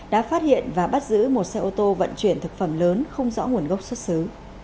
đã phát hiện và bắt giữ một xe ô tô vận chuyển thực phẩm lớn không rõ nguồn gốc xuất xứ